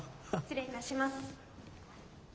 失礼いたします。